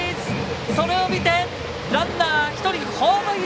それを見て、ランナー１人、ホームイン。